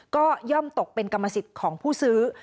ก็ย่อมตกเป็นกรรมสิทธิ์ของผู้ซื้อ